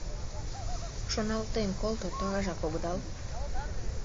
Шоналтен колто — торажак огыдал